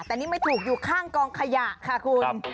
แต่นี่ไม่ถูกอยู่ข้างกองขยะค่ะคุณ